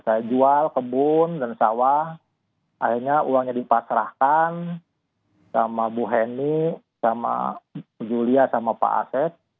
saya jual kebun dan sawah akhirnya uangnya dipasrahkan sama bu heni sama julia sama pak asep